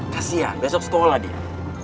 kasian besok sekolah dia